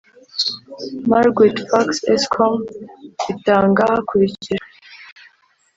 Margrit fuchs escom ritanga hakurikijwe